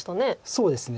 そうですね。